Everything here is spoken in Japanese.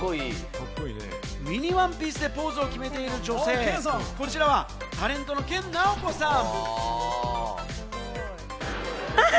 ミニワンピースでポーズを決めている女性、こちらはタレントの研ナオコさん。